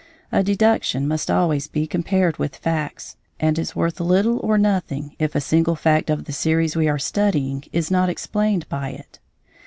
A deduction must always be compared with facts, and is worth little or nothing if a single fact of the series we are studying is not explained by it.